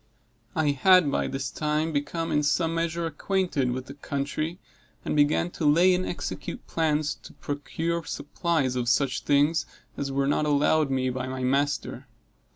I had, by this time, become in some measure acquainted with the country, and began to lay and execute plans to procure supplies of such things as were not allowed me by my master.